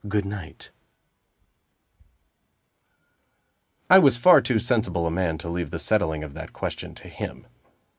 Good night." I was far too sensible a man to leave the settling of that question to him.